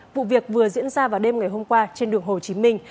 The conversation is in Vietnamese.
vụ việc vừa diễn ra vào đêm ngày hôm qua trên đường hồ chí minh